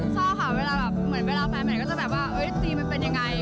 ชอบค่ะเวลาแฟนมันก็จะแบบว่าเอ๊ยจริงมันเป็นยังไง